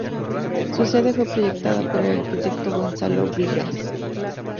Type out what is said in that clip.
Su sede fue proyectada por el arquitecto Gonzalo Bringas.